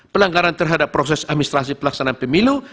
pelanggaran terhadap proses administrasi pelaksanaan pemilu